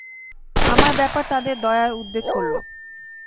আমার ব্যাপার তাদের দয়ার উদ্রেক করল।